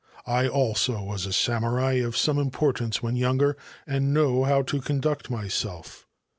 I also was a samurai some importance when younger, and know how to •nduct myself.